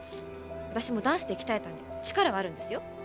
私もダンスで鍛えたんで力はあるんですよ。